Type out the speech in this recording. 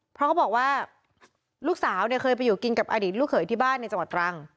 เพราะเขาบอกว่าลูกสาวเนี่ยเคยไปอยู่กินกับอดีตลูกเขยที่บ้านในจังหวัดตรัง